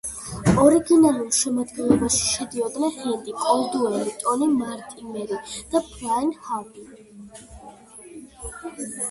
ორიგინალურ შემადგენლობაში შედიოდნენ ჰენდი, კოლდუელი, ტონი მორტიმერი და ბრაიან ჰარვი.